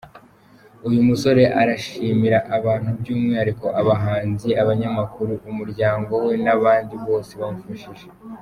Uyu musore arashimira abantu by’umwihariko abahanzi, abanyamakuru, umuryango we n’abandi bose bamufashije.